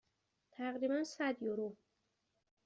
تقریبا صد یورو.